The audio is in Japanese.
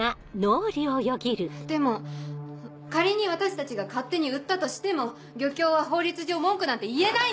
でも仮に私たちが勝手に売ったとしても漁協は法律上文句なんて言えないんです。